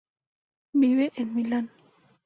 Vive en Milán.